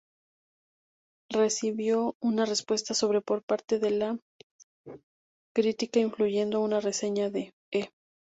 Recibió una respuesta pobre por parte de la crítica, incluyendo una reseña de "E!